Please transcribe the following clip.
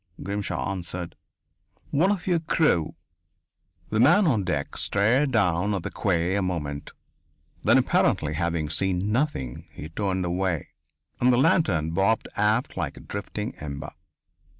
Grimshaw answered: "One of your crew." The man on deck stared down at the quay a moment. Then, apparently having seen nothing, he turned away, and the lantern bobbed aft like a drifting ember.